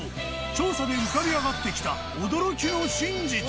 調査で浮かび上がってきた驚きの真実。